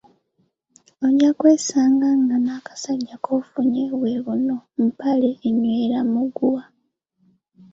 Ojja kwesanga nga n'akasajja kofunye bwe buno bu "mpale enywera muguwa".